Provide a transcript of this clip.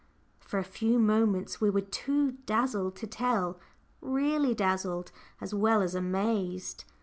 For a few minutes we were too dazzled to tell really dazzled as well as amazed.